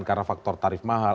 karena faktor tarif mahal